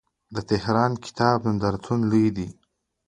د تهران د کتاب نندارتون لوی دی.